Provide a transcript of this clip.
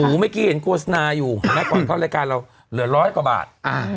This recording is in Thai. หมูเมื่อกี้เห็นโกสนาอยู่แล้วก่อนเพราะรายการเราเหลือร้อยกว่าบาทอ่า